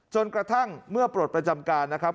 จนกระทั่งเมื่อปลดประจำการนะครับ